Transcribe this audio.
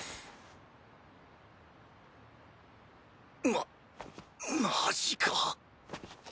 ママジか？